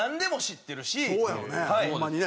そうやろねホンマにね。